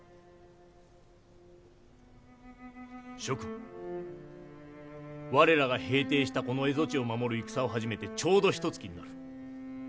諸君我らが平定したこの蝦夷地を守る戦を始めてちょうどひとつきになる。